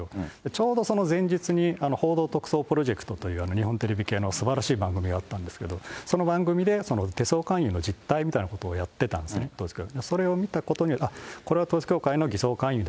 ちょうどその前日に、報道特捜プロジェクトという日本テレビ系のすばらしい番組があったんですけど、その番組で手相勧誘の実態みたいなことをやってたんですね、統一教会の。